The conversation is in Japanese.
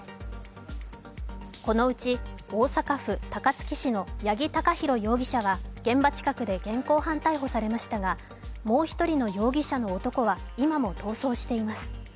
このうち大阪府高槻市の八木貴寛容疑者は現場近くで現行犯逮捕されましたが、もう１人の容疑者の男は今も逃走しています。